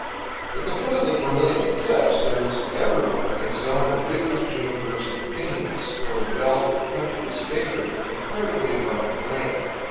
At the foot of the Vermilion Cliffs there is everywhere a zone of vigorous junipers and piñons, for the belt of country is favored with comparatively abundant rain.